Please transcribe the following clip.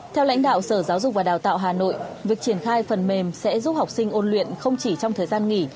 theo lãnh đạo sở giáo dục và đào tạo hà nội việc triển khai phần mềm sẽ giúp học sinh ôn luyện không chỉ trong thời gian nghỉ